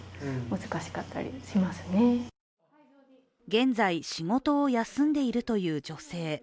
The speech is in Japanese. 現在、仕事を休んでいるという女性。